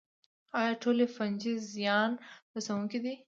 ایا ټولې فنجي زیان رسوونکې دي